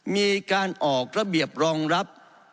มีการออกระเบียบรองรับ